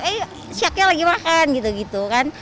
eh syaknya lagi makan gitu gitu kan